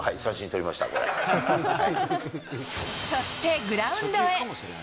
そしてグラウンドへ。